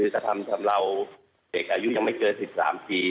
กระทำชำเลาเด็กอายุยังไม่เกิน๑๓ปี